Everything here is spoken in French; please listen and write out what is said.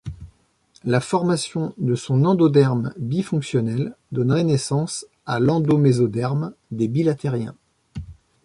La formation de son endoderme bifonctionnel donnerait naissance à l'endomésoderme des bilatériens.